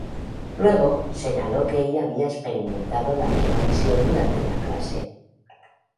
Luego, señaló que ella había experimentado la misma visión durante la clase.